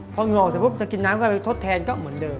เพราะเหงื่อออกสมมุติจะกินน้ำก็ทดแทนก็เหมือนเดิม